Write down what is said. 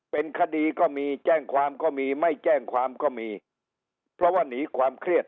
เป็นคดีก็มีแจ้งความก็มีไม่แจ้งความก็มีเพราะว่าหนีความเครียด